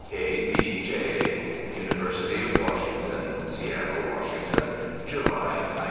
K. B. J. _University of Washington, Seattle, Washington July, 1911.